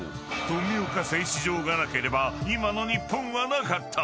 富岡製糸場がなければ今の日本はなかった？